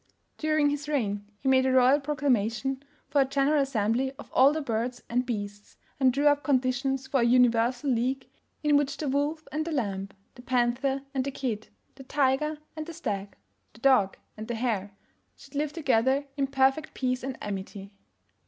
During his reign he made a royal proclamation for a general assembly of all the birds and beasts, and drew up conditions for a universal league, in which the Wolf and the Lamb, the Panther and the Kid, the Tiger and the Stag, the Dog and the Hare, should live together in perfect peace and amity.